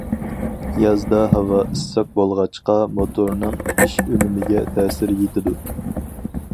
يازدا ھاۋا ئىسسىق بولغاچقا موتورنىڭ ئىش ئۈنۈمىگە تەسىر يېتىدۇ.